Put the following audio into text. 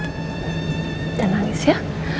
jangan nangis ya